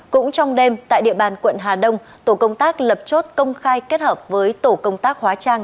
cũng trong đêm tại địa bàn quận hà đông tổ công tác lập chốt công khai kết hợp với tổ công tác hóa trang